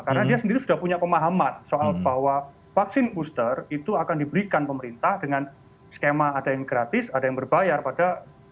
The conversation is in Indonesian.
karena dia sendiri sudah punya pemahaman soal bahwa vaksin booster itu akan diberikan pemerintah dengan skema ada yang gratis ada yang berbayar pada dua ribu dua puluh dua